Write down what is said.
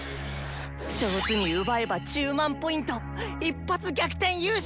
上手に奪えば１０００００Ｐ一発逆転優勝！